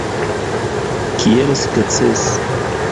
Kiel sukcesi?